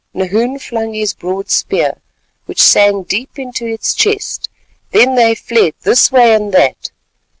Nahoon flung his broad spear, which sank deep into its chest, then they fled this way and that.